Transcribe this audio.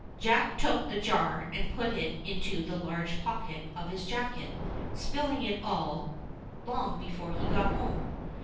Jack took the jar and put it into the large pocket of his jacket, spilling it all, long before he got home.